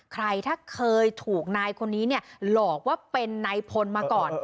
ใครถ้าเคยถูกนายคนนี้เนี่ยหลอกว่าเป็นนายพลมาก่อน